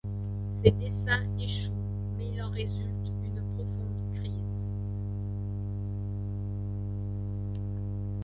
Ses desseins échouent, mais il en résulte une profonde crise.